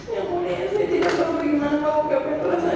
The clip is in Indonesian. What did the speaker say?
yang mulia saya tidak tahu bagaimana mau berapa terasa